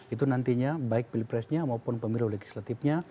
itu nantinya baik pilpresnya maupun pemilu legislatifnya